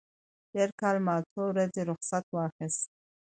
تېر کال ما څو ورځې رخصت واخیست.